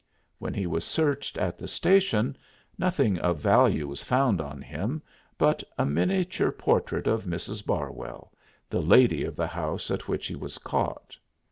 When he was searched at the station nothing of value was found on him but a miniature portrait of Mrs. Barwell the lady of the house at which he was caught.